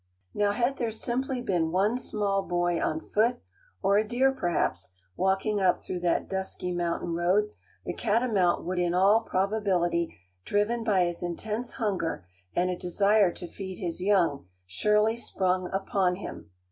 Now, had there simply been one small boy on foot, or a deer, perhaps, walking up through that dusky mountain road, the catamount would in all probability, driven by his intense hunger and a desire to feed his young, surely sprung upon him.